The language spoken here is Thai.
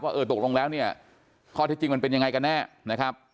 เออตกลงแล้วเนี่ยข้อเท็จจริงมันเป็นยังไงกันแน่นะครับ